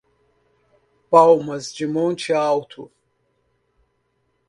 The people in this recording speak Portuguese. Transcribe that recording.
Palmas de Monte Alto